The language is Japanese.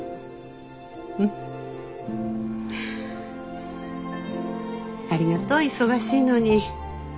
うん。ありがと忙しいのに。